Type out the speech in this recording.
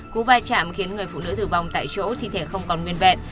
cú vai trạm khiến người phụ nữ thử vong tại chỗ thi thể không còn nguyên vẹn